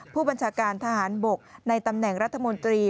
ผู้บัญชาการทหารบกในตำแหน่งรัฐมนตรี